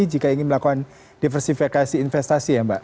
jika ingin melakukan diversifikasi investasi ya mbak